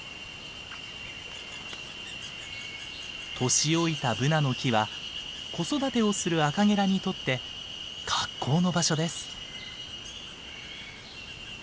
年老いたブナの木は子育てをするアカゲラにとって格好の場所です。